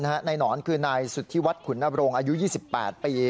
หนอนคือนายสุธิวัฒขุนนบรงอายุ๒๘ปี